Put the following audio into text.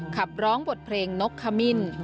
ขับร้องบทเพลงนกขมิ้น